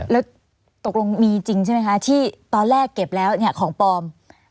แล้วตกลงมีจริงใช่ไหมคะที่ตอนแรกเก็บแล้วเนี่ยของปลอม